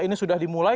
ini sudah dimulai